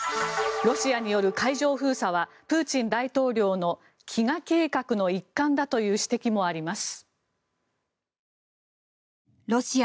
ロシアによる海上封鎖はプーチン大統領の飢餓計画の一環だという指摘もあります。